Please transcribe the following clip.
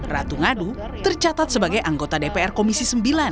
ratu ngadu tercatat sebagai anggota dpr komisi sembilan